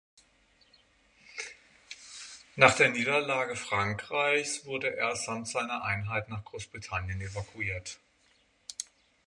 Nach der Niederlage Frankreichs wurde er samt seiner Einheit nach Großbritannien evakuiert.